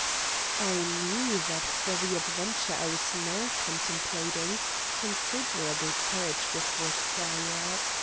"I knew that for the adventure I was now contemplating considerable courage was required.